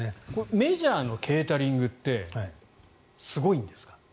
メジャーのケータリングってすごいんですか？